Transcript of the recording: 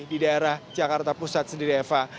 di daerah jakarta pusat sendiri eva